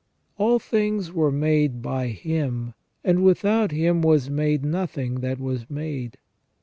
^ All things were made by Him, and without Him was made nothing that was made."